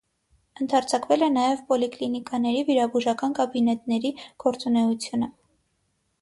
Ընդարձակվել է նաև պոլիկլինիկաների վիրաբուժական կաբինետների գործունեությունը։